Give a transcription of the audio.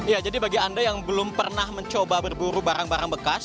ya jadi bagi anda yang belum pernah mencoba berburu barang barang bekas